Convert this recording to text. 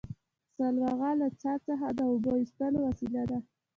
سلواغه له څا څخه د اوبو ایستلو وسیله ده